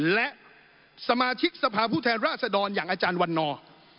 และสมาชิกสภาพผู้แทนราชดรอย่างอาจารย์วันนอร์